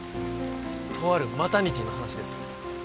とあるマタニティーの話です